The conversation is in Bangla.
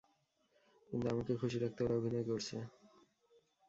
কিন্তু আমাকে খুশি রাখতে ওরা অভিনয় করছে।